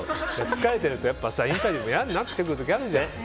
疲れてるとインタビューも嫌になってくるある時あるじゃん。